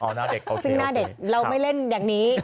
เอาหน้าเด็กซึ่งหน้าเด็กเราไม่เล่นอย่างนี้